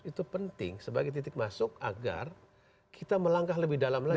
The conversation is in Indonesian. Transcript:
itu penting sebagai titik masuk agar kita melangkah lebih dalam lagi